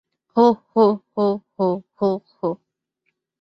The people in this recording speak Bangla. হোঃ হোঃ হোঃ হোঃ হোঃ হোঃ।